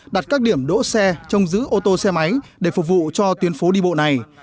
đặt các điểm đỗ xe trông giữ ô tô xe máy để phục vụ cho tuyến phố đi bộ này